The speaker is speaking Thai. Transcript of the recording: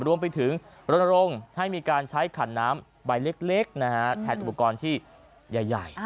รวมไปถึงรณรงค์ให้มีการใช้ขันน้ำใบเล็กแทนอุปกรณ์ที่ใหญ่